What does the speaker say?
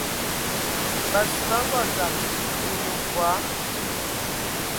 Ma sug a ngɔ dzam, yi onə mvɔí ?